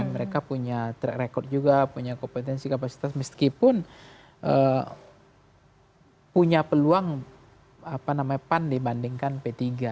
mereka punya track record juga punya kompetensi kapasitas meskipun punya peluang pan dibandingkan p tiga